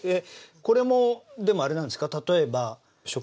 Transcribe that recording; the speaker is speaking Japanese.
これもでもあれなんですか？